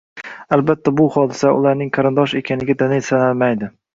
albatta, bu hodisalar, ularning qarindosh ekaniga dalil sanalmaydi.